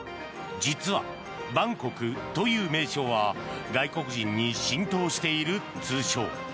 実は、バンコクという名称は外国人に浸透している通称。